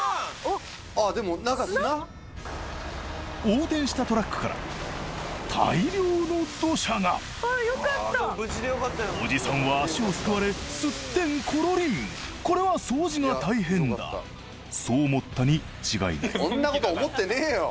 横転したトラックから大量の土砂がおじさんは足をすくわれすってんころりんそう思ったに違いないそんなこと思ってねえよ！